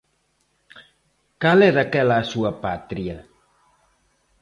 Cal é daquela a súa patria?